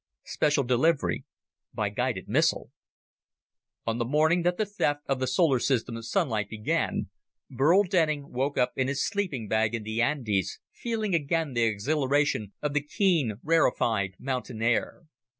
Special Delivery by Guided Missile On the morning that the theft of the solar system's sunlight began, Burl Denning woke up in his sleeping bag in the Andes, feeling again the exhilaration of the keen, rarefied, mountain air.